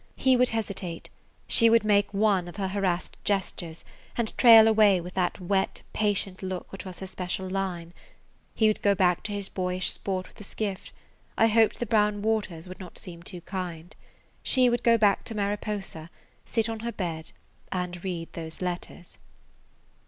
He would hesitate; she would make one of her harassed gestures, and trail away with that wet, patient look which was her special line. He would go back to his boyish sport with the skiff; I hoped the brown waters would not seem too kind. She would go back to Mariposa, sit on her bed, and read those letters.